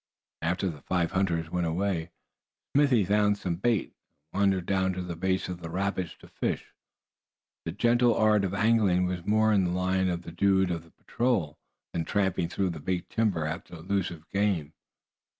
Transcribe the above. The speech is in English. After the five hunters went away, Smithy found some bait, and wandered down to the base of the rapids to fish. The gentle art of angling was more in the line of the dude of the patrol than tramping through the big timber after elusive game.